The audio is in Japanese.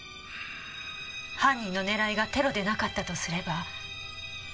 犯人の狙いがテロでなかったとすれば。